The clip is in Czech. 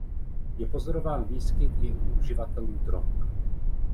Je pozorován výskyt i u uživatelů drog.